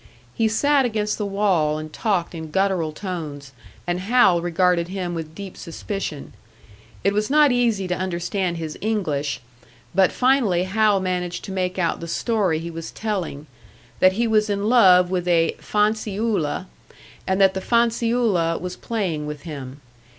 He sat against the wall and talked in guttural tones, and Hal regarded him with deep suspicion. It was not easy to understand his English, but finally Hal managed to make out the story he was telling that he was in love with a "fanciulla," and that the "fanciulla" was playing with him.